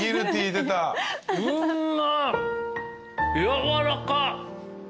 やわらか！